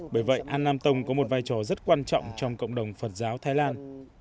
bởi vậy an nam tông có một vai trò rất quan trọng trong cộng đồng phật giáo thái lan